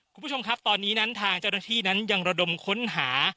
คุณผู้ชมครับตอนนี้นั้นทางเจ้าหน้าที่นั้นยังระดมค้นหา